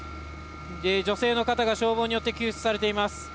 女性の方が消防によって救出されています。